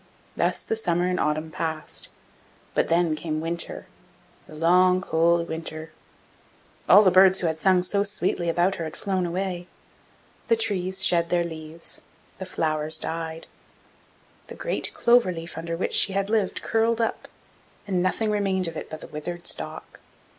Thus the summer and autumn passed, but then came winter the long, cold winter. All the birds who had sung so sweetly about her had flown away; the trees shed their leaves, the flowers died; the great clover leaf under which she had lived curled up, and nothing remained of it but the withered stalk.